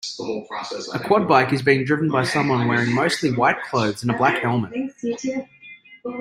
A quad bike is being driven by someone wearing mostly white clothes and a black helmet.